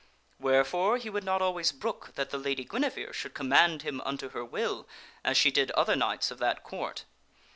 Wherefore he would not always brook that the Lady Guinevere should command him unto her will as she did other knights of that Court.